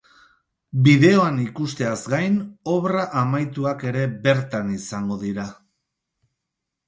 Bideoan ikusteaz gain obra amaituak ere bertan izango dira.